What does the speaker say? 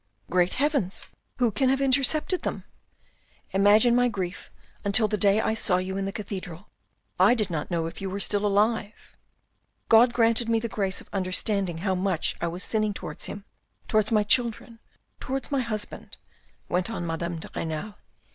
Great heavens ! Who can have intercepted them ? Imagine my grief until the day I saw you in the cathedral. I did not know if you were still alive." " God granted me the grace of understanding how much I was sinning towards Him, towards my children, towards my husband," went on Madame de Renal.